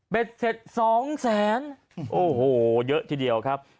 เสร็จสองแสนโอ้โหเยอะทีเดียวครับ